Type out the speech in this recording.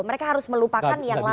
mereka harus melupakan yang lama gitu